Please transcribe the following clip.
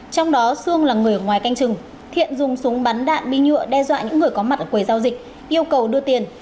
trong đó sương là người ngoài canh chừng thiện dùng súng bắn đạn bi nhựa đe dọa những người có mặt ở quầy giao dịch yêu cầu đưa tiền